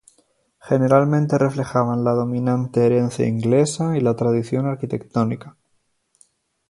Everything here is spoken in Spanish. Generalmente reflejaban la dominante herencia inglesa y la tradición arquitectónica.